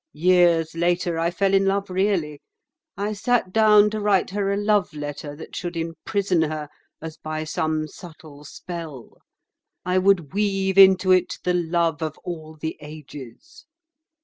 Years later I fell in love really. I sat down to write her a love letter that should imprison her as by some subtle spell. I would weave into it the love of all the ages.